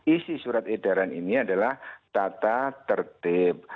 isi surat edaran ini adalah tata tertib